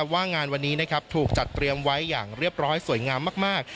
ว่างานวันนี้ถูกจัดเตรียมไว้อย่างเรียบร้อยสวยงามมาก